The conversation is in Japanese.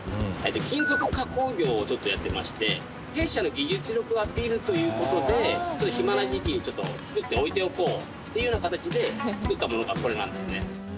金属加工業をちょっとやってまして弊社の技術力アピールという事で暇な時期にちょっと作って置いておこうっていうような形で作ったものがこれなんですね。